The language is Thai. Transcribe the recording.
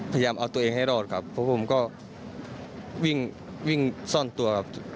พยายามเอาตัวเองให้รอดครับเพราะผมก็วิ่งวิ่งซ่อนตัวครับ